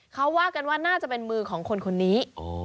เขาว่ากันว่าน่าจะเป็นมือของคนคนนี้